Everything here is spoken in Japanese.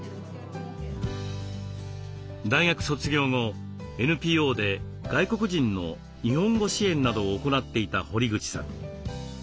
大学卒業後ＮＰＯで外国人の日本語支援などを行っていた堀口さん。